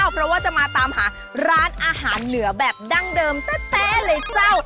เพราะว่าจะมาตามหาร้านอาหารเหนือแบบดั้งเดิมแต๊ะเลยเจ้า